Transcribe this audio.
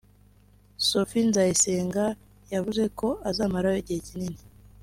Sophie Nzayisenga yavuze ko azamarayo igihe kinini